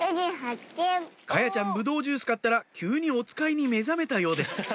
華彩ちゃんぶどうジュース買ったら急におつかいに目覚めたようです